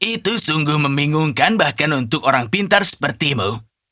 itu sungguh membingungkan bahkan untuk orang pintar sepertimu